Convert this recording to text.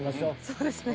そうですね。